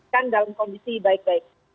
dan dalam kondisi baik baik